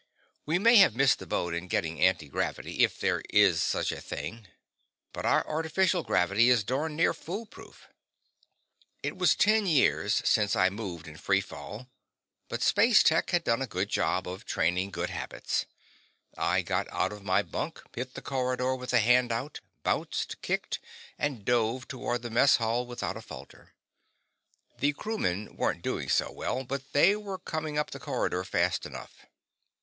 We may have missed the boat in getting anti gravity, if there is such a thing, but our artificial gravity is darned near foolproof. It was ten years since I'd moved in free fall, but Space Tech had done a good job of training good habits. I got out of my bunk, hit the corridor with a hand out, bounced, kicked, and dove toward the mess hall without a falter. The crewmen weren't doing so well but they were coming up the corridor fast enough.